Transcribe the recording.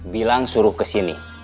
bilang suruh kesini